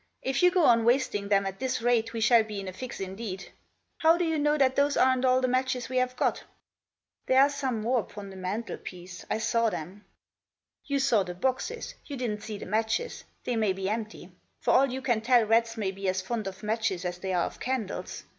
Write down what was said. If you go on wasting them at this rate we shall be in a fix indeed. How do you know that those aren't all the matches we have got ?" "There are some more upon the mantelpiece — I saw them." " You saw the boxes ; you didn't see the matches ; they may be empty. For all you can tell rats may be as fond of matches as they are of candles.